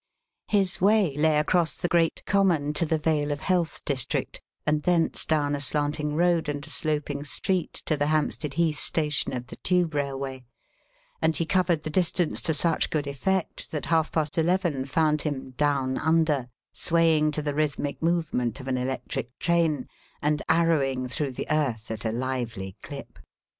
His way lay across the great common to the Vale of Health district, and thence down a slanting road and a sloping street to the Hampstead Heath Station of the Tube Railway, and he covered the distance to such good effect that half past eleven found him "down under," swaying to the rhythmic movement of an electric train and arrowing through the earth at a lively clip.